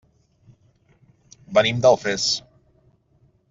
Venim d'Alfés.